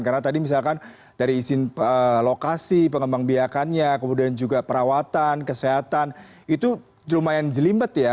karena tadi misalkan dari izin lokasi pengembang biakannya kemudian juga perawatan kesehatan itu lumayan jelimbet ya